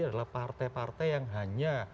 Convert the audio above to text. adalah partai partai yang hanya